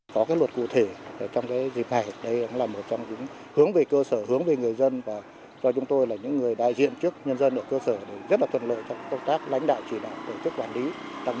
có cái luật cụ thể trong cái dịp hải đây cũng là một trong những hướng về cơ sở hướng về người dân và cho chúng tôi là những người đại diện trước nhân dân ở cơ sở